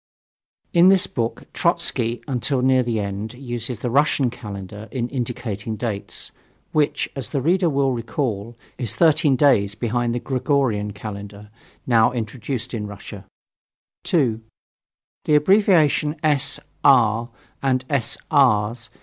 In this book Trotzky (until near the end) uses the Russian Calendar in indicating dates, which, as the reader will recall, is 13 days behind the Gregorian Calendar, now introduced in Russia. 2. The abbreviation S. R. and S. R.'